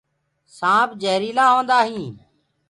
سآنپ جهريٚلآ هوندآ هينٚ۔